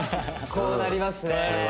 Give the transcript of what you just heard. こうなりますね